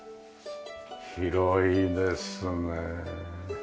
広いですね。